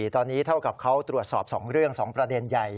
ตอนนี้เท่ากับเขาตรวจสอบ๒เรื่อง๒ประเด็นใหญ่